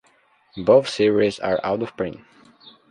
Both series are Out of print.